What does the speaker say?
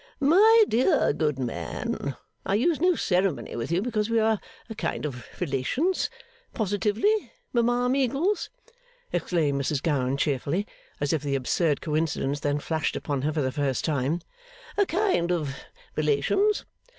'My dear good man I use no ceremony with you, because we are a kind of relations; positively, Mama Meagles,' exclaimed Mrs Gowan cheerfully, as if the absurd coincidence then flashed upon her for the first time, 'a kind of relations!